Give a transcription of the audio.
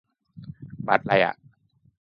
บัตรไรอะ